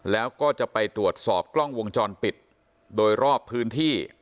แล้วก็จะไปตรวจสอบกล้องวงจรปิดโดยรอบพื้นที่